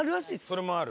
それもある。